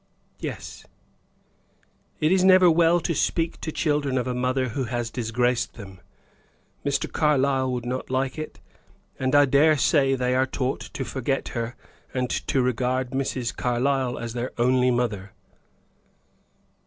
"Yes." "It is never well to speak to children of a mother who has disgraced them. Mr. Carlyle would not like it; and I dare say they are taught to forget her, and to regard Mrs. Carlyle as their only mother."